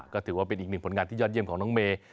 ก็ถือว่าเป็นอีกหนึ่งผลงานที่ยอดเยี่ยมของน้องเมย์